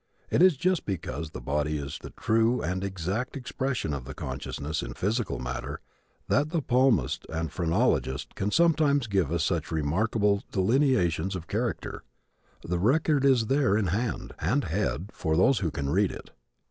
It is just because the body is the true and exact expression of the consciousness in physical matter that the palmist and phrenologist can sometimes give us such remarkable delineations of character. The record is there in hand and head for those who can read it.